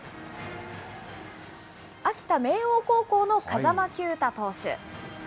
秋田・明桜高校の風間球打投手。